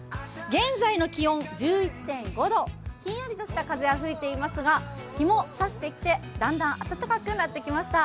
現在の気温１１．５度、ひんやりとした風は吹いていますが、日も差してきて、だんだん暖かくなってきました。